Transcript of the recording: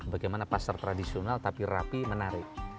bagaimana pasar tradisional tapi rapi menarik